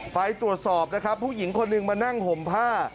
ไปตรวจสอบนะครับผู้หญิงคนหนึ่งมานั่งห่มผ้า